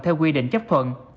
theo quy định chấp thuận